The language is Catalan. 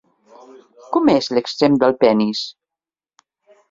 Com és l'extrem del penis?